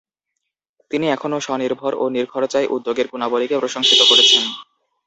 তিনি এখনও স্বনির্ভর এবং নিখরচায় উদ্যোগের গুণাবলীকে প্রশংসিত করেছেন" ।